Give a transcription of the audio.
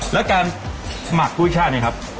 แล้วการหมักกุ้ยชาติเนี่ยครับ